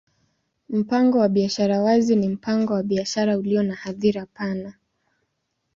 Mpango wa biashara wazi ni mpango wa biashara ulio na hadhira pana.